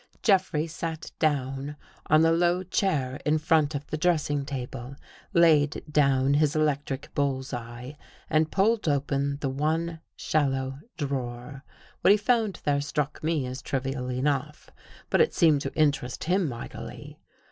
Jeffrey sat down on the low chair in front of the dressing table, laid down his electric bull's eye and pulled open the one shallow drawer. What he found there struck me as trivial enough, but it seemed to interest him mightily.